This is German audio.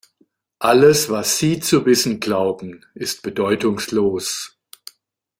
Alles, was Sie zu wissen glauben, ist bedeutungslos.